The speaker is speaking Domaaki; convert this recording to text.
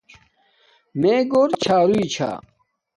میے گھور چھاروݵ چھا